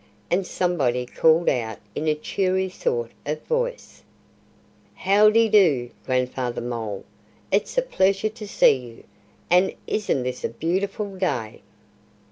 And somebody called out in a cheery sort of voice, "How dy do, Grandfather Mole! It's a pleasure to see you! And isn't this a beautiful day?"